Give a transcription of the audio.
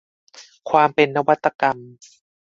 ความเป็นนวัตกรรม